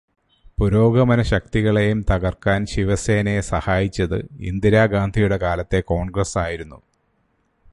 പുരോഗമനശക്തികളെയും തകര്ക്കാന് ശിവസേനയെ സഹായിച്ചത് ഇന്ദിരാ ഗാന്ധിയുടെ കാലത്തെ കോണ്ഗ്രസ്സ് ആയിരുന്നു.